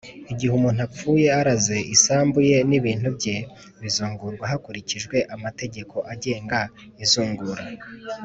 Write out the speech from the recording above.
igihe umuntu apfuye araze, isambu ye n’ibintu bye bizungurwa hakurikijwe amategeko agenga izungura.